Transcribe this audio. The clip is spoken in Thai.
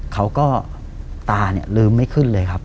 เขาก็ตาลืมไม่ขึ้นเลยครับ